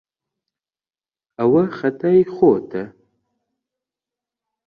ئەوە خەتای خۆتە.